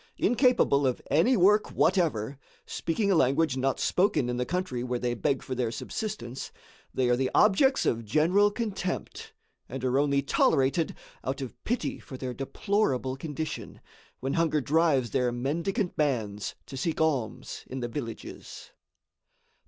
Incapable of any work whatever, speaking a language not spoken in the country where they beg for their subsistence, they are the objects of general contempt, and are only tolerated out of pity for their deplorable condition, when hunger drives their mendicant bands to seek alms in the villages.